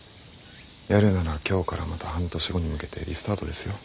やるなら今日からまた半年後に向けてリスタートですよ？